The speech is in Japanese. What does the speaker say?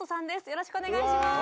よろしくお願いします。